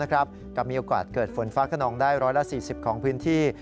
กับมีโอกาสเกิดฝนฟ้าขนองได้๑๔๐ของพื้นที่